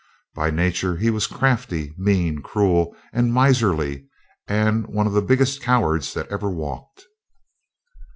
By nature he was crafty, mean, cruel, and miserly, and was one of the biggest cowards that ever walked.